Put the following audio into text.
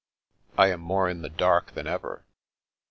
" I am more in the dark than ever."